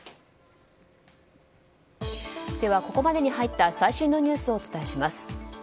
ここまでに入った最新のニュースをお伝えします。